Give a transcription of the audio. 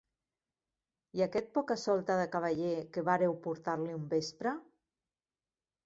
I aquest poca-solta de cavaller que vàreu portar-li un vespre?